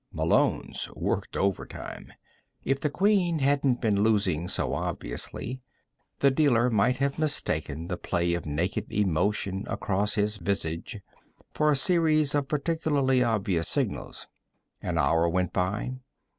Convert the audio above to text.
Malone's worked overtime. If the Queen hadn't been losing so obviously, the dealer might have mistaken the play of naked emotion across his visage for a series of particularly obvious signals. An hour went by.